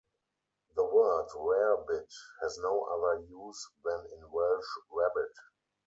The word "rarebit" has no other use than in Welsh rabbit.